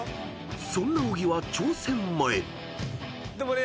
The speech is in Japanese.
［そんな小木は挑戦前］でもね